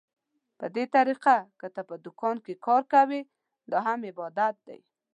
په دې طريقه که ته په دوکان کې کار کوې، دا هم عبادت دى.